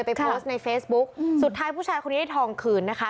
ไปโพสต์ในเฟซบุ๊กสุดท้ายผู้ชายคนนี้ได้ทองคืนนะคะ